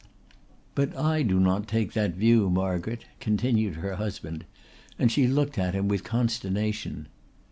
"But I do not take that view, Margaret," continued her husband, and she looked at him with consternation.